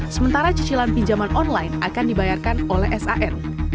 sementara cicilan pinjaman online akan dibayarkan oleh san